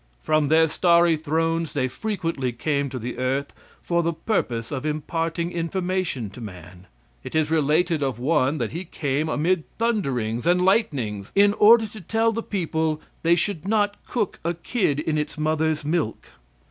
From their starry thrones they frequently came to the earth for the purpose of imparting information to man. It is related of one that he came amid thunderings and lightnings in order to tell the people they should not cook a kid in its mother's milk.